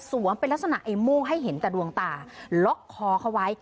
เป็นลักษณะไอ้ม่วงให้เห็นแต่ดวงตาล็อกคอเขาไว้